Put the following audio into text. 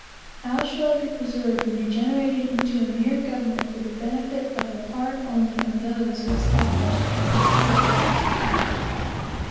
How shall it be preserved from degeneration into a mere government for the benefit of a part only of those who established, and who support it?